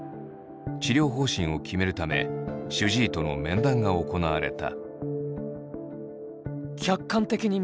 治療方針を決めるため主治医との面談が行われた。